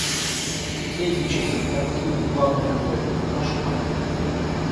Эти часы, гардины, главное, обои — кошмар.